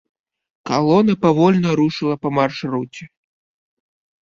Калона павольна рушыла па маршруце.